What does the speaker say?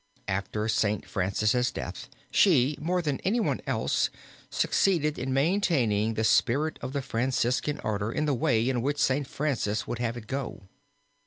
After St. Francis' death she, more than anyone else, succeeded in maintaining the spirit of the Franciscan order in the way in which St. Francis would have it go.